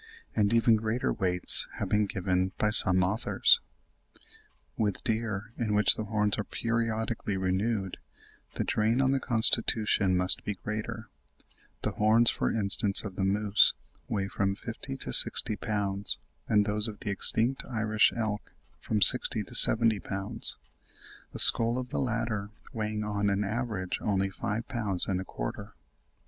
(33. Emerson Tennent, 'Ceylon,' 1859, vol. ii. p. 275; Owen, 'British Fossil Mammals,' 1846, p. 245.) With deer, in which the horns are periodically renewed, the drain on the constitution must be greater; the horns, for instance, of the moose weigh from fifty to sixty pounds, and those of the extinct Irish elk from sixty to seventy pounds—the skull of the latter weighing on an average only five pounds and a quarter.